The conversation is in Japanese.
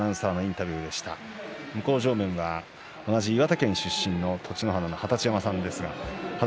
向正面は同じ岩手県出身の栃乃花の二十山さんです。